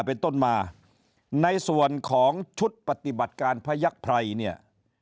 เป็นต้นมาในส่วนของชุดปฏิบัติการพยักษ์ไพรเนี่ย